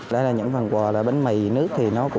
đây là những phần quà bánh mì nước